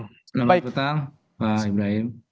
selamat petang pak ibrahim